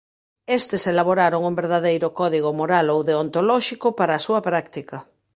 Estes elaboraron un verdadeiro código moral ou deontolóxico para a súa práctica.